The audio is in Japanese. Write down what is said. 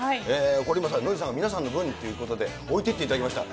これ、ノリさんが、皆さんの分ということで置いていっていただきました。